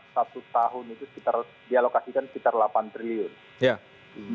satu tahun itu dialokasikan sekitar delapan triliun